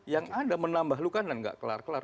yang ada menambah luka dan nggak kelar kelar